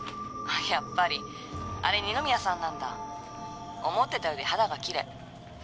やっぱりあれ二宮さんなんだ思ってたより肌がキレイ。